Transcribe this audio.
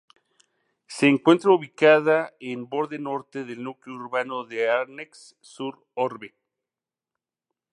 Se encuentra ubicada en borde norte del núcleo urbano de Arnex-sur-Orbe.